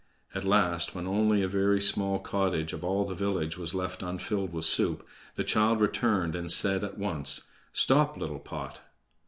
At last, when only a very small cottage of all the village was left unfilled with soup, the child returned and said at once: "Stop, little pot!"